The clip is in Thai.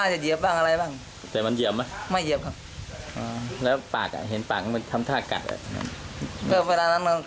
เห็นเหมือนกัน